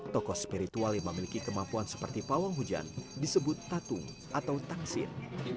tokoh spiritual yang memiliki kemampuan seperti pawang hujan disebut tatung atau tangsir